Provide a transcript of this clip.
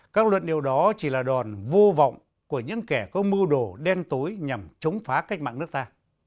các luận điệu đó chỉ là đòn vô vọng của những kẻ có mưu đồ đen tối nhằm chống phá cách mạng nước ta